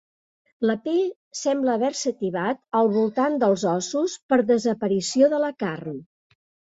La pell sembla haver-se tibat al voltant dels ossos per desaparició de la carn.